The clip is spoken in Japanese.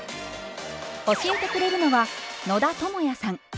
教えてくれるのは野田智也さん。